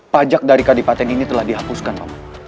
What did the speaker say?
pajak dari kadipaten ini telah dihapuskan paman